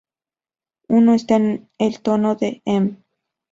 Uno esta en el tono de Em.